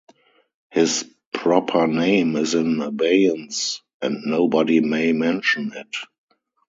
His proper name is in abeyance and nobody may mention it.